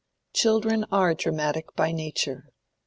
Children are dramatic by nature.